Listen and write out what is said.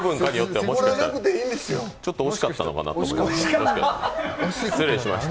ちょっと惜しかったのかな、失礼しました。